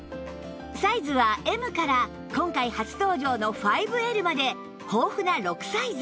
サイズは Ｍ から今回初登場の ５Ｌ まで豊富な６サイズ